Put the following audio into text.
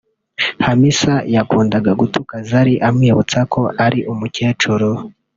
Hamissa yakundaga gutuka Zari amwibutsa ko ari umukecuru